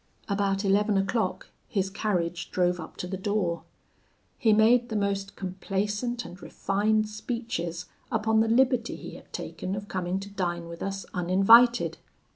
"About eleven o'clock his carriage drove up to the door. He made the most complaisant and refined speeches upon the liberty he had taken of coming to dine with us uninvited.